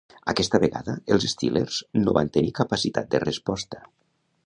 Aquesta vegada, els Steelers no van tenir capacitat de resposta.